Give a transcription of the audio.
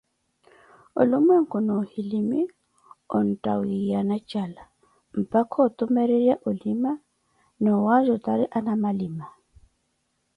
onlumwenku na ohilim ontta wiiyana jala, mpaka otumerera olima na owaajurati anamalima.